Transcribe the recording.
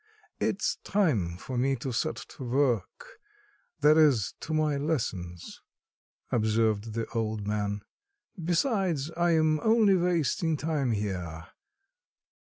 "It's time for me to set to work, that is, to my lessons," observed the old man. "Besides, I am only wasting time here."